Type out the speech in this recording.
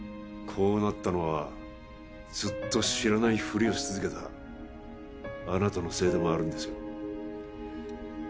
こうなったのはずっと知らないふりをし続けたあなたのせいでもあるんですよ